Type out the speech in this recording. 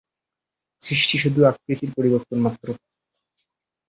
সৃষ্টি শুধু আকৃতির পরিবর্তন মাত্র।